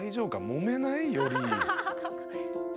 もめない？より。